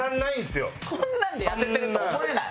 こんなんで痩せてると思えない。